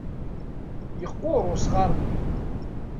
Yeqqur usɣar-nni.